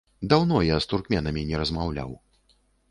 Даўно я з туркменамі не размаўляў.